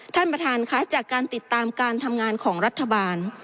ท่านประธานค่ะจากการติดตามการทำงานของรัฐบาล